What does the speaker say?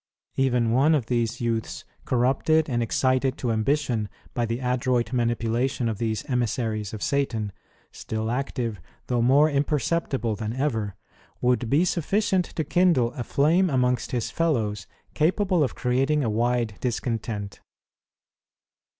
Even one of these youths corrupted and excited to ambition by the adroit manipulation of these emissaries of Satan, still active, though more imperceptible than ever, would be sufiicient to kindle a flame amongst his fellows capable of creating a wide discontent.